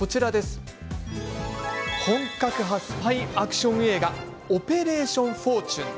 本格派スパイアクション映画「オペレーション・フォーチュン」。